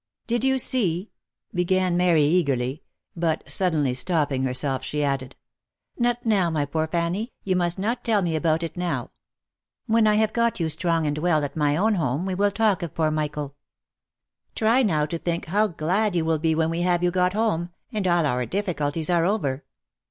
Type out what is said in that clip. " Did you see —" began Mary, eagerly ; but suddenly stopping herself, she added, " Not now my poor Fanny, you must not tell me about it now — when I have got you strong and well at my own home, we will talk of poor Michael. Try now, to think how glad you will be when we have got you homeland all our difficulties are over